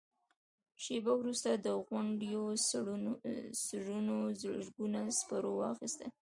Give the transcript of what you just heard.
شېبه وروسته د غونډيو سرونو زرګونو سپرو واخيست.